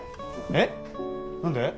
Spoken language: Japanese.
えっ何で？